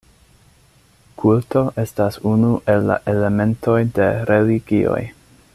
Kulto estas unu el la elementoj de religioj.